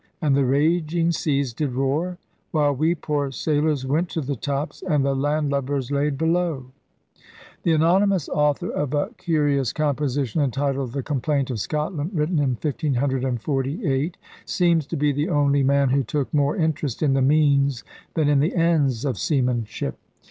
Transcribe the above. And the raging seas did roar. While we poor Sailors went to the tops And the land lubbers laid below. The anonymous author of a curious composi tion entitled The Complayni of Scotland, written in 1548, seems to be the only man who took more interest in the means than in the ends of seaman ship.